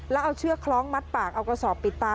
แล้วเอาเชือกคล้องมัดปากเอากระสอบปิดตา